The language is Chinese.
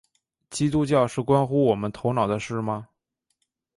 基督教是关乎我们头脑的事吗？